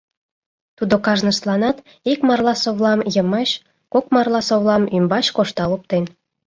Тудо кажныштланат ик марласовлам йымач, кок марласовлам ӱмбач коштал оптен.